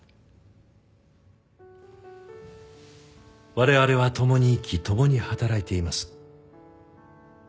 我々は共に生き共に働いています。